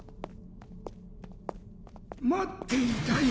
・待っていたよ・